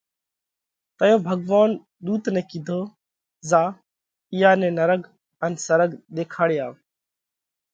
تئيون ڀڳوونَ ۮُوت نئہ ڪِيڌو: زا اِيئا نئہ نرڳ ان سرڳ ۮيکاڙي آوَ۔